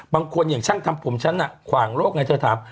บางคนอย่างช่างทำผมฉันน่ะขวางโลกไงเธอถาม